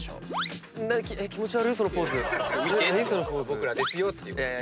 僕らですよって。